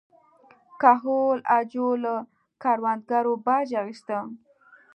کهول اجاو له کروندګرو باج اخیسته.